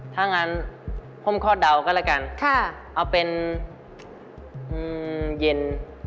ถ้างั้นผมคอดเดาก็แล้วกันค่ะเอาเป็นเย็น